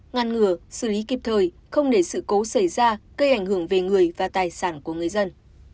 ngăn ngừa xử lý kịp thời không để sự cố xảy ra gây ảnh hưởng về người và tài sản của người dân